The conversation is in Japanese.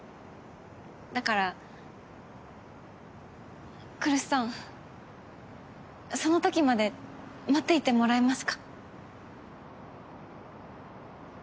だから来栖さんそのときまで待っていてもらえますか？